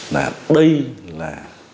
là đây là